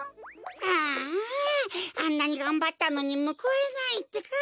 あああんなにがんばったのにむくわれないってか。